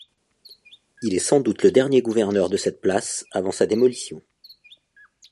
Il est sans doute le dernier gouverneur de cette place, avant sa démolition.